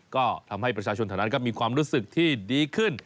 ก็ทำให้ประชาชนเท่านั้นก็มีความรู้สึกที่ดีขึ้น